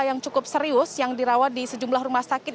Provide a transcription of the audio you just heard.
yang cukup serius yang dirawat di sejumlah rumah sakit